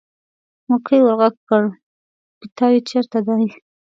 مکۍ ور غږ کړل: پیتاوی چېرته دی.